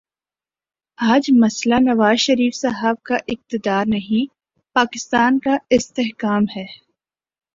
آج مسئلہ نواز شریف صاحب کا اقتدار نہیں، پاکستان کا استحکام ہے۔